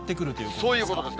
そういうことですね。